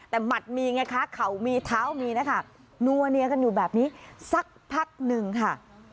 แต่หมัดมีไงคะเข่ามีเท้ามีนะคะนัวเนียกันอยู่แบบนี้สักพักหนึ่งค่ะ